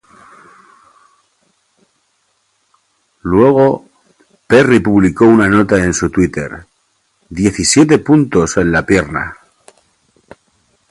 Luego, Perry publicó una nota en su Twitter: "Diecisiete puntos en la pierna.